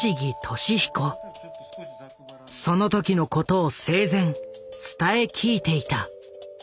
その時のことを生前伝え聞いていた。